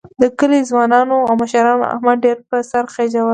د کلي ځوانانو او مشرانو احمد ډېر په سر خېجولی